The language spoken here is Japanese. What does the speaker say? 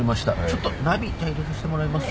ちょっとナビ入れさしてもらいます。